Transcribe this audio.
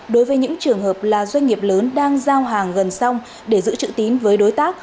đối với những trường hợp là doanh nghiệp lớn đang giao hàng gần xong để giữ trự tín với đối tác